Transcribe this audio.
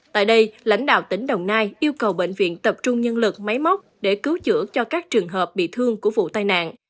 tại đây lãnh đạo tỉnh đồng nai yêu cầu bệnh viện tập trung nhân lực máy móc để cứu chữa cho các trường hợp bị thương của vụ tai nạn